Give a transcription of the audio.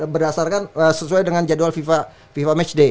berdasarkan sesuai dengan jadwal fifa match day